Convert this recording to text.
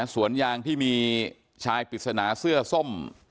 สวนยางที่มีชายปริศนาเสื้อส้ม